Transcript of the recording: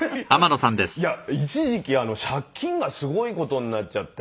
いや一時期借金がすごい事になっちゃって。